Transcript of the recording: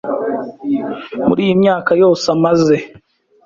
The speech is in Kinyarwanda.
Muri iyi myaka yose amaze,